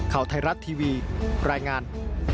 ข่าวไทยรัฐทีวีรายงาน